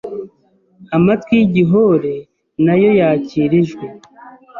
amatwi y’igihore na yo yakira ijwi,